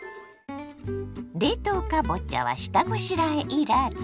冷凍かぼちゃは下ごしらえいらず。